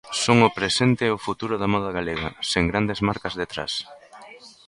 Son o presente e o futuro da moda galega, sen grandes marcas detrás.